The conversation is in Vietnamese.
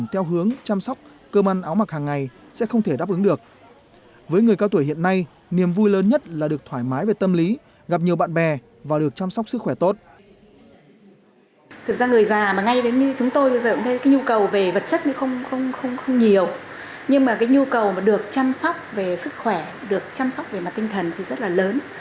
thực ra người già mà ngay đến như chúng tôi bây giờ cũng thấy cái nhu cầu về vật chất không nhiều nhưng mà cái nhu cầu được chăm sóc về sức khỏe được chăm sóc về tinh thần thì rất là lớn